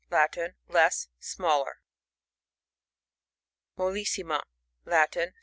— Latin. Less, smaller. MoLussiMA. — Latin.